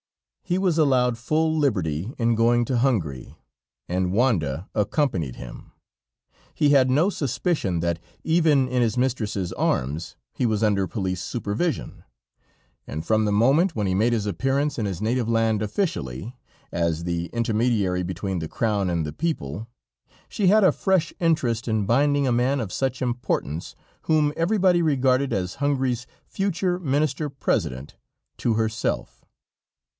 He was allowed full liberty in going to Hungary, and Wanda accompanied him. He had no suspicion that even in his mistress's arms he was under police supervision, and from the moment when he made his appearance in his native land officially, as the intermediary between the crown and the people, she had a fresh interest in binding a man of such importance, whom everybody regarded as Hungary's future Minister President, to herself.